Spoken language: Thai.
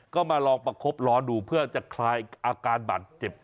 ก็มาลองประคบร้อนดูเพื่อจะคลายอาการบาดเจ็บ